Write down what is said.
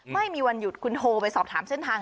ไม่มีวันหยุดคุณโทรไปสอบถามเส้นทาง